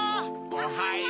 おはよう！